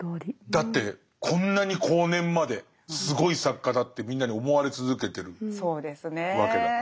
だってこんなに後年まですごい作家だってみんなに思われ続けてるわけだから。